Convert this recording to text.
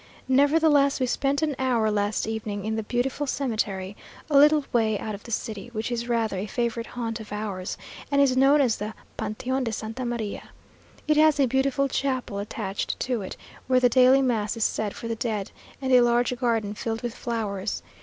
Nevertheless we spent an hour last evening in the beautiful cemetery a little way out of the city, which is rather a favourite haunt of ours, and is known as the "Panteon de Santa María." It has a beautiful chapel attached to it, where the daily mass is said for the dead, and a large garden filled with flowers.